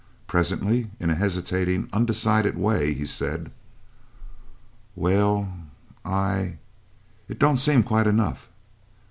Presently, in a hesitating, undecided way, he said: "Well, I it don't seem quite enough.